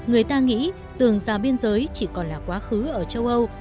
người ta nghĩ tường rào biên giới chỉ còn là quá khứ ở châu âu